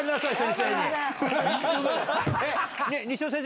西尾先生